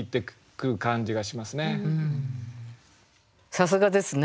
さすがですね。